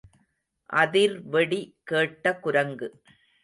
அதிர் வெடி கேட்ட குரங்கு.